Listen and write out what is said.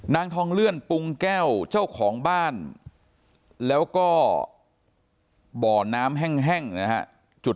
นางทองเลื่อนปุงแก้วเจ้าของบ้านแล้วก็บ่อน้ำแห้งนะฮะ